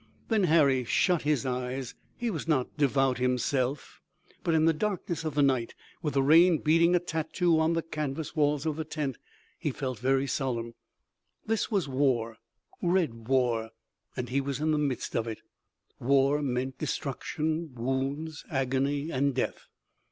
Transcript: Then Harry shut his eyes. He was not devout himself, but in the darkness of the night, with the rain beating a tattoo on the canvas walls of the tent, he felt very solemn. This was war, red war, and he was in the midst of it. War meant destruction, wounds, agony and death.